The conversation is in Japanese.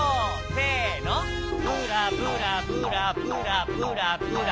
せのブラブラブラブラブラブラピシッ！